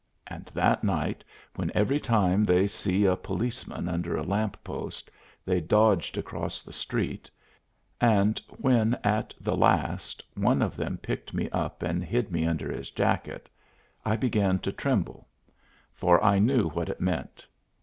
And that night, when every time they see a policeman under a lamp post, they dodged across the street, and when at the last one of them picked me up and hid me under his jacket, I began to tremble; for I knew what it meant.